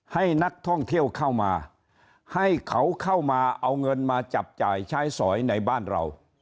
ให้นักท่องเที่ยวเข้ามาให้เขาเข้ามาเอาเงินมาจับจ่ายใช้สอยในบ้านเรา